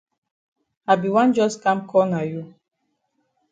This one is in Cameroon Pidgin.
I be wan jus kam call na you.